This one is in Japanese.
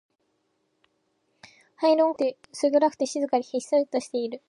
灰色のコンクリートで周りを囲まれていて、薄暗くて、静かで、ひっそりとしている